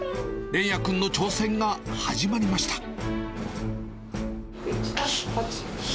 連也君の挑戦が始まりました。